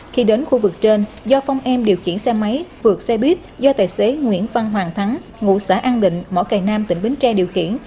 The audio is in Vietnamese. khi đến khu vực trên do phong em điều khiển xe máy vượt xe buýt do tài xế nguyễn văn hoàng thắng ngụ xã an định mỏ cầy nam tỉnh bến tre điều khiển